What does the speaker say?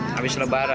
iya habis lebaran